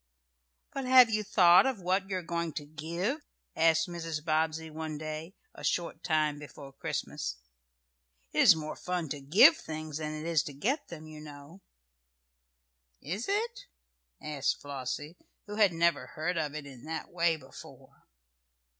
"But have you thought of what you are going to give?" asked Mrs. Bobbsey one day, a short time before Christmas. "It is more fun to give things than it is to get them, you know." "Is it?" asked Flossie, who had never heard of it in that way before.